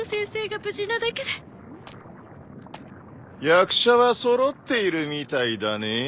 役者は揃っているみたいだねぇ。